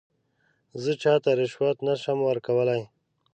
زه چاته رشوت نه شم ورکولای.